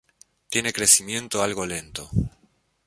Tiene crecimiento algo lento.